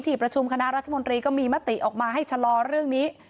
ประชุมคณะรัฐมนตรีก็มีมติออกมาให้ชะลอเรื่องนี้